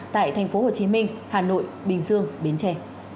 tại tp hcm hà nội bình dương bến tre